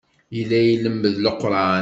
Yella ilemmed Leqran.